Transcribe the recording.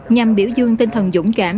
nhằm biểu dương tinh thần dũng cảm